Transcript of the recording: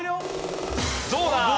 どうだ？